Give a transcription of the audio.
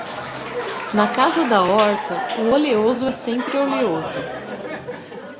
Na casa da horta, o oleoso é sempre oleoso.